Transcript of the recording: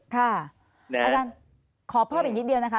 ค่ะอาจารย์ขอพบอีกนิดเดียวนะคะ